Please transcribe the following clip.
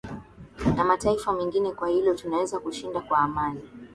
na mataifa mengine kwa hilo tunaweza kushinda kwa amani